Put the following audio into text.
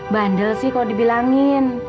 bandel sih kalau dibilangin